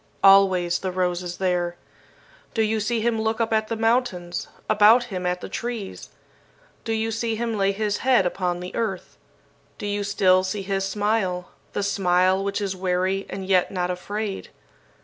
Always the rose is there. Do you see him look up at the mountains, about him at the trees? Do you see him lay his head upon the earth? Do you still see his smile, the smile which is weary and yet not afraid?